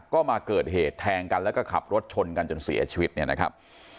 ก็มาเกิดเหตุแทงกันแล้วก็ขับรถชนกันจนเสียชีวิตเนี่ยนะครับ